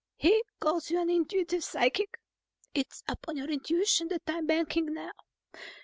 He calls you an intuitive psychic. It is upon your intuitions that I'm banking now.